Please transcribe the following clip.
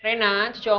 pindah ke drown